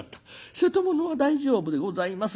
『瀬戸物は大丈夫でございます』